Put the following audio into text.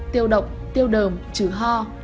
tiêu động tiêu đờm trừ ho